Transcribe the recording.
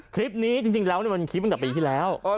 คลิปนี้จริงแล้วมันคลิปอันดับอีกทีแล้ว